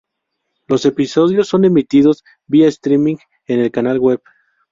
Los episodios son emitidos vía streaming en el canal web.